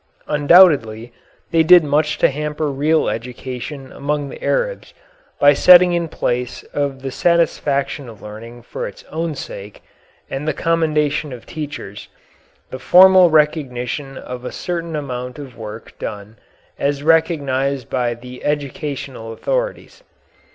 Undoubtedly they did much to hamper real education among the Arabs by setting in place of the satisfaction of learning for its own sake and the commendation of teachers the formal recognition of a certain amount of work done as recognized by the educational authorities.